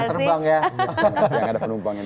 yang ada penumpangnya di belakang